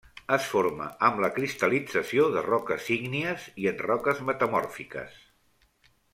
Es forma amb la cristal·lització de roques ígnies i en roques metamòrfiques.